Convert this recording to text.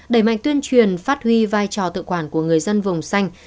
đẩy mạnh tuyên truyền phát huy vai trò tự quản của người dân vùng xanh